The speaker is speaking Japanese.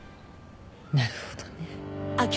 なるほどね。